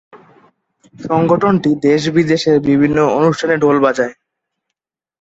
সংগঠনটি দেশ-বিদেশের বিভিন্ন অনুষ্ঠানে ঢোল বাজায়।